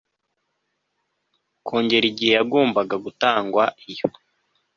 kongera igihe yagombaga gutangwa iyo